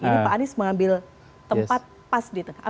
ini pak anies mengambil tempat pas di tengah